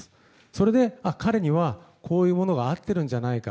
それで、彼にはこういうものが合ってるんじゃないか。